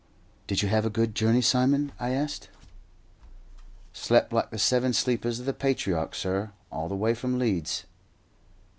"Did you have a good journey, Simon?" I asked. "Slept like the seven sleepers of the patriarch, sur, all the way from Leeds."